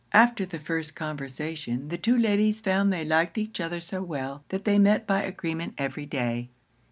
After the first conversation, the two ladies found they liked each other so well, that they met by agreement every day.